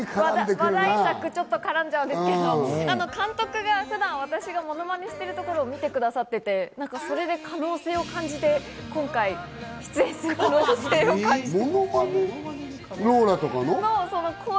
話題作、絡んじゃうんですけど監督は普段、私がものまねしているところを見てくださって、それで可能性を感じて今回、出演することになりました。